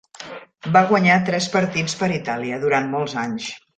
Va guanyar tres partits per Itàlia, durant molts anys.